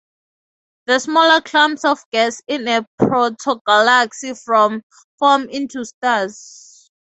The smaller clumps of gas in a protogalaxy form into stars.